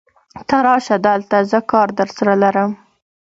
ته راشه دلته، زه کار درسره لرم.